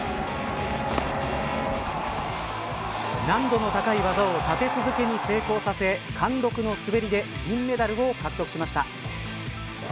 難度の高い技を立て続けに成功させ貫禄の滑りで銀メダルを獲得しました。